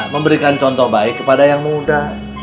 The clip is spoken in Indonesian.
memberikan contoh baik kepada yang muda